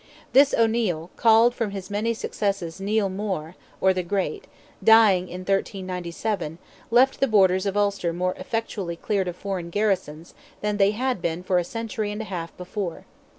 This O'Neil, called from his many successes Neil More, or the Great, dying in 1397, left the borders of Ulster more effectually cleared of foreign garrisons than they had been for a century and a half before.